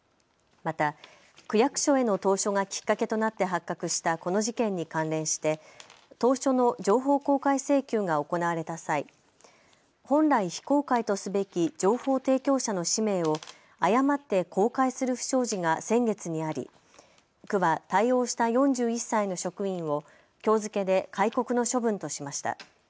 また、区役所への投書がきっかけとなって発覚したこの事件に関連して投書の情報公開請求が行われた際、本来、非公開とすべき情報提供者の氏名を誤って公開する不祥事が先月にあり区は対応した４１歳の職員をきょう付けで戒告の処分としました。